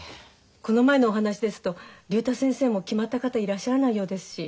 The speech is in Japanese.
この前のお話ですと竜太先生も決まった方いらっしゃらないようですし。